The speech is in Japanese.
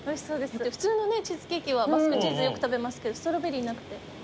普通のねチーズケーキはバスクチーズよく食べますけどストロベリーなくて。